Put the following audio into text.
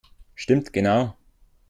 Stimmt genau!